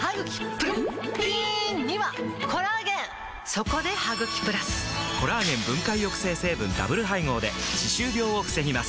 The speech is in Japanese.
そこで「ハグキプラス」！コラーゲン分解抑制成分ダブル配合で歯周病を防ぎます